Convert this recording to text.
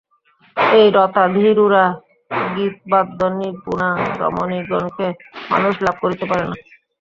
এই রথাধিরূঢ়া গীতবাদ্যনিপুণা রমণীগণকে মানুষ লাভ করিতে পারে না।